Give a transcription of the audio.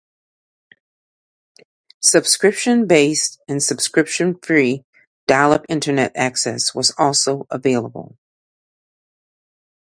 Subscription-based and subscription-free dial-up Internet access was also available.